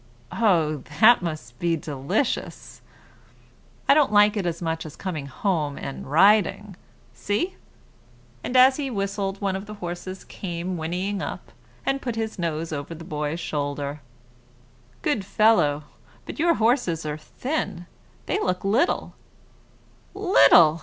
"Oh! that must be delicious." "I don't like it as much as coming home and riding. See!" and as he whistled, one of the horses came whinnying up, and put his nose over the boy's shoulder. "Good fellow! But your horses are thin; they look little." "Little!"